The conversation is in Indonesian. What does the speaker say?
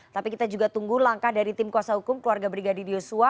tapi kita juga tunggu langkah dari tim kuasa hukum keluarga brigadir yosua